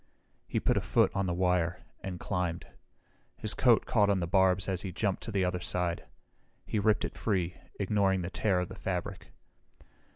He put a foot on the wire, and climbed. His coat caught on the barbs as he jumped to the other side. He ripped it free, ignoring the tear of the fabric.